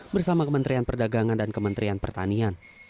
bersama kementerian perdagangan dan kementerian pertanian